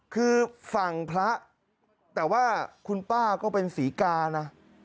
คือฝั่งพระแต่ว่าคุณป้าก็เป็นศรีกานะ